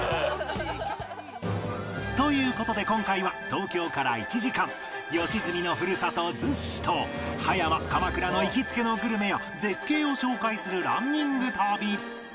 という事で今回は東京から１時間良純のふるさと逗子と葉山鎌倉の行きつけのグルメや絶景を紹介するランニング旅